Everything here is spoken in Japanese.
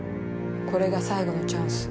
これが最後のチャンス。